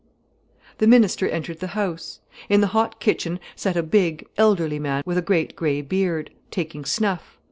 The minister entered the house. In the hot kitchen sat a big, elderly man with a great grey beard, taking snuff.